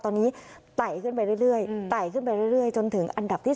ตอนนี้ไต่ขึ้นไปเรื่อยจนถึงอันดับที่๓๐